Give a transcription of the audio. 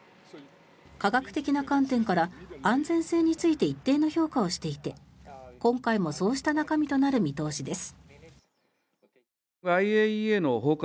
科学的な観点から安全性について一定の評価をしていて今回もそうした中身となる見通しです。